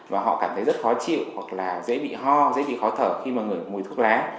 và họ cảm thấy rất khó chịu hoặc là dễ bị ho dễ bị khó thở khi mà người thuốc lá